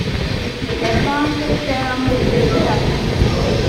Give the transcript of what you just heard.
Les banques ferment petit à petit.